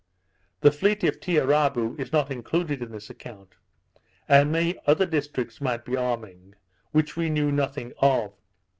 The fleet of Tiarabou is not included in this account; and many other districts might be arming, which we knew nothing of.